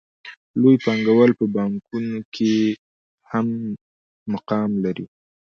لوی پانګوال په بانکونو کې هم مقام لري